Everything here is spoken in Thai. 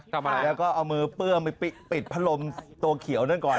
ทำอะไรแล้วก็เอามือเปื้องไปปิดพัดลมตัวเขียวนั่นก่อน